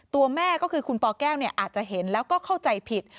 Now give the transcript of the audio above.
ตัวแม่ก็คือคุณปแก้วอาจจะเห็นแล้วก็เข้าใจผิด